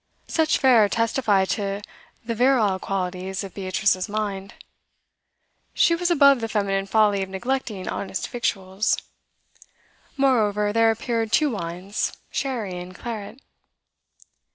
Such fare testified to the virile qualities of Beatrice's mind; she was above the feminine folly of neglecting honest victuals. Moreover, there appeared two wines, sherry and claret.